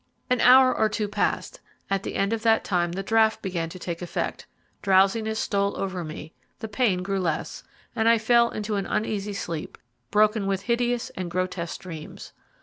An hour or two passed; at the end of that time the draught began to take effect, drowsiness stole over me, the pain grew less, and I fell into an uneasy sleep, broken with hideous and grotesque dreams.